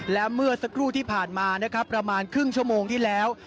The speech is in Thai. และเมื่อสักครู่ที่ผ่านมานะครับประมาณครึ่งชั่วโมงที่แล้ว